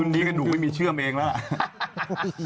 นี่ก็หนูไม่มีเชื่อมเองแล้ว